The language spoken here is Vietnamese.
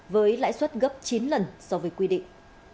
với lãi suất gấp chín lần so với quy định